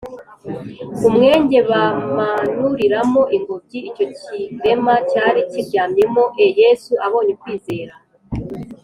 umwenge bamanuriramo ingobyi icyo kirema cyari kiryamyemo e Yesu abonye ukwizera